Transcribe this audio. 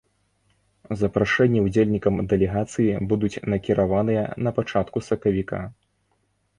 Запрашэнні ўдзельнікам дэлегацыі будуць накіраваныя на пачатку сакавіка.